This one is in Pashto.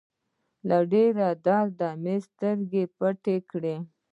له ډېره درده يې سترګې پټې کړې.